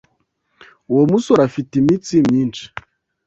Uwo musore afite imitsi myinshi.